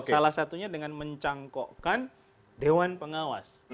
salah satunya dengan mencangkokkan dewan pengawas